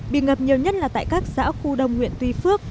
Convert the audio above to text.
bị ngập nhiều nhất là tại các xã khu đông huyện tuy phước